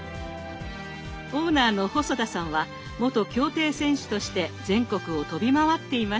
オーナーの細田さんは元競艇選手として全国を飛び回っていました。